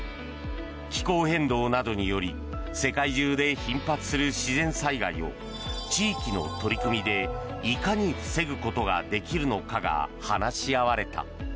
気候変動などにより世界中で頻発する自然災害を地域の取り組みでいかに防ぐことができるのかが話し合われた。